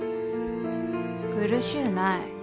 苦しうない。